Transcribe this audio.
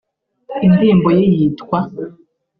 Indirimbo ye yitwa